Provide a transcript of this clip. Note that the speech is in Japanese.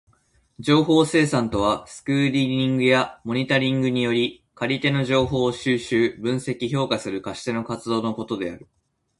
情報生産とはスクリーニングやモニタリングにより借り手の情報を収集、分析、評価する貸し手の活動のことである。